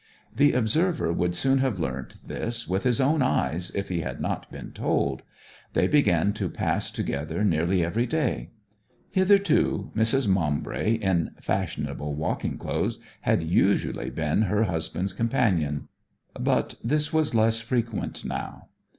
The observer would soon have learnt this with his own eyes if he had not been told. They began to pass together nearly every day. Hitherto Mrs. Maumbry, in fashionable walking clothes, had usually been her husband's companion; but this was less frequent now.